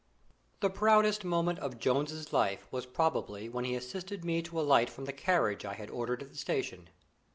The proudest moment of Jones's life was probably when he assisted me to alight from the carriage I had ordered at the station.